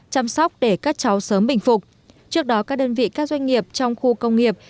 chăm sóc để các cháu sớm bình phục trước đó các đơn vị các doanh nghiệp trong khu công nghiệp